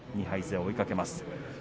２敗勢を追いかけます。